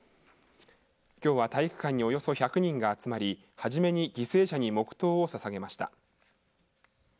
きょうは体育館におよそ１００人が集まりはじめに犠牲者に黙とうをささげました。